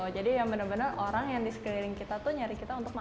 jadi yang bener bener orang yang di sekeliling kita tuh nyari kita untuk makan